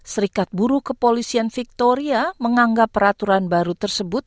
serikat buru kepolisian victoria menganggap peraturan baru tersebut